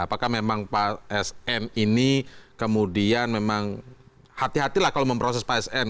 apakah memang pak sm ini kemudian memang hati hatilah kalau memproses pak sn